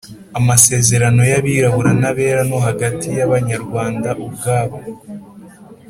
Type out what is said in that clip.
Amasezerano y’abirabura n’abera no hagati y‘Abanyarwanda ubwabo